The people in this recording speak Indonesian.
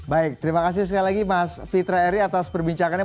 baik terima kasih sekali lagi mas fitra eri atas perbincangannya